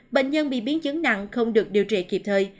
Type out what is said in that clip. bệnh nhân bị biến chứng nặng không được điều trị kịp thời